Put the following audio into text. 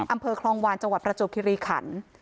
อำเภอคลองวานจังหวัดประจวบคิริขัน